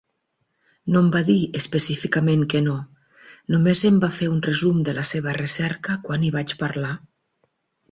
No em va dir específicament que no, només em va fer un resum de la seva recerca quan hi vaig parlar.